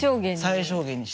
最小限にして。